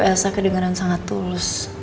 bu elsa kedengaran sangat tulus